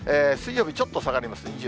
水曜日、ちょっと下がります。